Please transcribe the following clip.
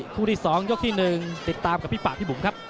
คู่ที่๒ยกที่๑ติดตามกับพี่ป่าพี่บุ๋มครับ